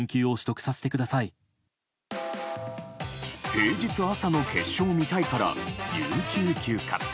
平日朝の決勝を見たいから有給休暇。